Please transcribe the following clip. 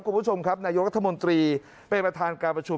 คุณผู้ชมครับนายกรัฐมนตรีเป็นประธานการประชุม